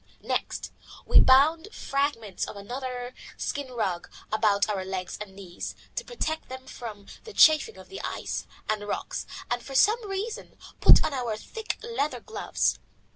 Next we bound fragments of another skin rug about our legs and knees to protect them from the chafing of the ice and rocks, and for the same reason put on our thick leather gloves.